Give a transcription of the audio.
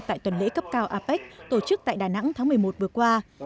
tại tuần lễ cấp cao apec tổ chức tại đà nẵng tháng một mươi một vừa qua